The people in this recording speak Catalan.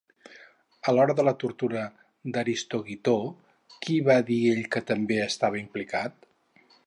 A l'hora de la tortura d'Aristogitó, qui va dir ell que també estava implicat?